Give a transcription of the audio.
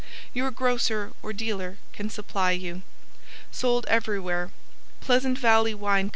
Your grocer or dealer can supply you Sold everywhere Pleasant Valley Wine Co.